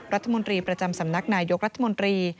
รัฐมนตรีประจำสำนักนายยกรัฐมนตรี